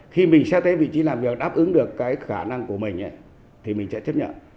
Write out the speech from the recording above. khi mình xét thấy vị trí làm việc đáp ứng được cái khả năng của mình thì mình sẽ chấp nhận